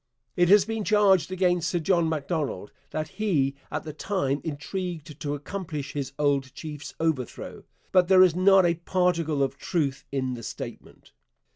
It has been charged against Sir John Macdonald that he at the time intrigued to accomplish his old chief's overthrow, but there is not a particle of truth in the statement.